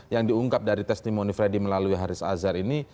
yang diungkap dari testimoni freddy melalui haris azhar ini